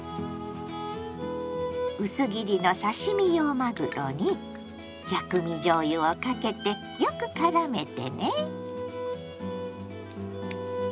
薄切りの刺身用まぐろに「薬味じょうゆ」をかけてよくからめてね。